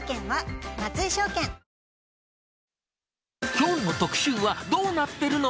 きょうの特集は、どうなってるの？